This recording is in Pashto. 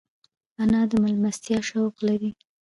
انا د مېلمستیا شوق لري